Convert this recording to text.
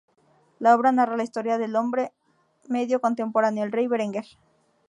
La obra narra la historia del hombre medio contemporáneo: el Rey Berenguer.